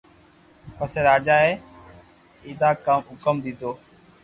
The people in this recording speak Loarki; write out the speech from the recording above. پسي راجا اي اينآ ھڪم ديدو